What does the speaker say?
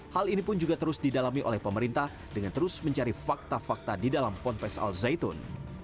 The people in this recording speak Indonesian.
hal ini pun juga terus didalami oleh pemerintah dengan terus mencari fakta fakta di dalam ponpes al zaitun